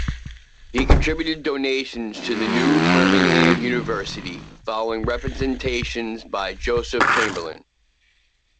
He contributed donations to the new Birmingham University following representations by Joseph Chamberlain.